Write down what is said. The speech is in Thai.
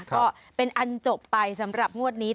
ก็เป็นอันจบไปสำหรับงวดนี้